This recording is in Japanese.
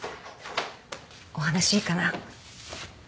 お話いいかな？